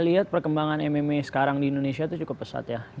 kita lihat perkembangan mma sekarang di indonesia itu cukup pesat ya